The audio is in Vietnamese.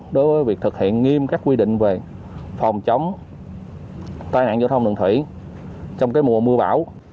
đối với việc thực hiện nghiêm các quy định về phòng chống tai nạn giao thông đường thủy trong mùa mưa bão